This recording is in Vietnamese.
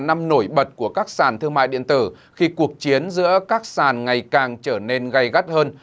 năm nổi bật của các sàn thương mại điện tử khi cuộc chiến giữa các sàn ngày càng trở nên gây gắt hơn